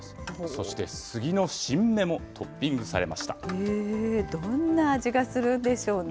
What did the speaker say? そしてスギの新芽もトッピングさどんな味がするんでしょうね。